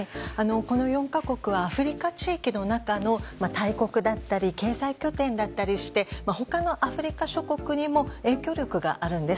この４か国はアフリカ地域の中の大国だったり経済拠点だったりして他のアフリカ諸国にも影響力があるんです。